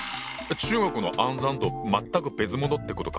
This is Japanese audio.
中国の「暗算」と全く別物ってことか。